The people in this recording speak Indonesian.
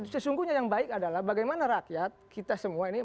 sesungguhnya yang baik adalah bagaimana rakyat kita semua ini